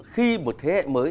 khi một thế hệ mới